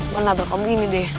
wak nabrak om gini deh